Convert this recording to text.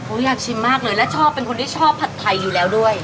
อยากชิมมากเลยและชอบเป็นคนที่ชอบผัดไทยอยู่แล้วด้วย